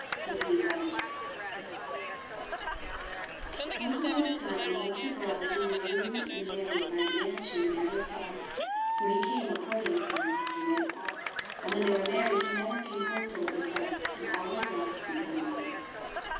THE THREE FEATHERS ONCE upon a time there lived a girl who was wooed and married by a man she never saw ; for he came a courting her after nightfall, and when they were married he never came home till it was dark, and always left before dawn.